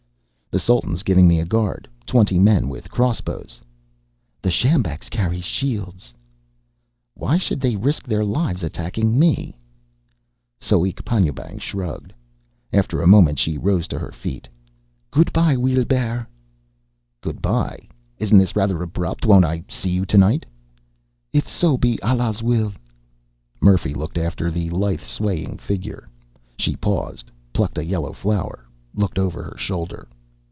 "The Sultan's giving me a guard. Twenty men with crossbows." "The sjambaks carry shields." "Why should they risk their lives attacking me?" Soek Panjoebang shrugged. After a moment she rose to her feet. "Goodbye, Weelbrrr." "Goodbye? Isn't this rather abrupt? Won't I see you tonight?" "If so be Allah's will." Murphy looked after the lithe swaying figure. She paused, plucked a yellow flower, looked over her shoulder.